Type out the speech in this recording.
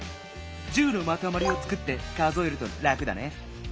１０のまとまりをつくって数えるとラクだね。